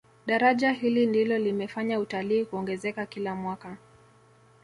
daraja hili ndilo limefanya utalii kuongezeka kila mwaka